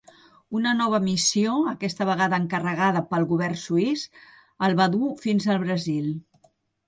Una nova missió, aquesta vegada encarregada pel govern suís, el va dur fins al Brasil.